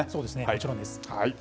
もちろんです。